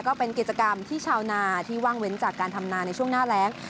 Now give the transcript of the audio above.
ก็เป็นกิจกรรมที่ชาวนาที่ว่างเว้นจากการทำนาในช่วงหน้าแรง